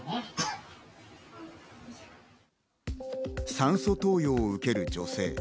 酸素投与を受ける女性。